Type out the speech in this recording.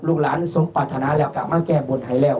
ลูกล้านสมพัฒนาแล้วกะมาแก้บนไหล่ว